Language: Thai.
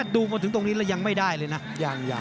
ดูมาถึงตรงนี้แล้วยังไม่ได้เลยนะ